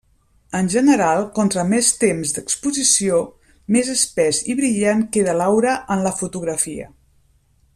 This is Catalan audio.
En general, contra més temps d'exposició, més espès i brillant queda l'aura en la fotografia.